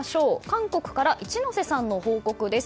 韓国から一之瀬さんの報告です。